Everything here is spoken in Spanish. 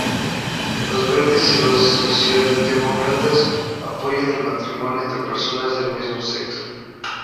Los Verdes y los socialdemócratas apoyan el matrimonio entre personas del mismo sexo.